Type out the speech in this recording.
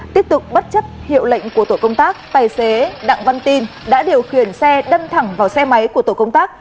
tiếp tục bất chấp hiệu lệnh của tổ công tác tài xế đặng văn tin đã điều khiển xe đâm thẳng vào xe máy của tổ công tác